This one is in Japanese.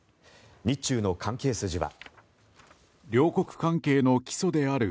日中の関係筋は。